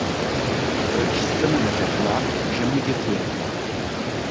Proč jste mu neřekla, že mu děkujete?